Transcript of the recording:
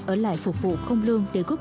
ở lại phục vụ không lương để góp